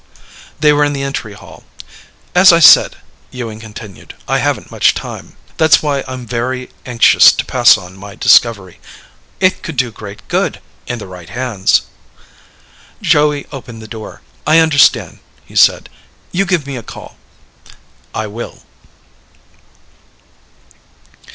They were in the entry hall. "As I said," Ewing continued, "I haven't much time. That's why I'm very anxious to pass on my discovery. It could do great good in the right hands." Joey opened the door. "I understand," he said. "You give me a call." "I will."